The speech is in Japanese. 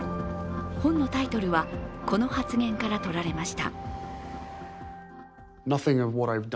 本のタイトルはこの発言からとられました。